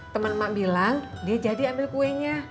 temen mak bilang dia jadi ambil kuenya